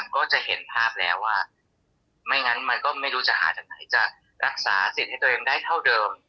ก็จะเห็นภาพแล้วว่าไม่งั้นมันก็ไม่รู้จะหาจากไหนจะรักษาสิทธิ์ให้ตัวเองได้เท่าเดิม